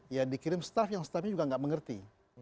iya dikirim staff yang staffnya juga enggak mengerti